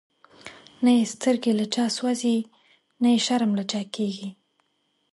نه یی سترګی له چا سوځی، نه یی شرم له چا کیږی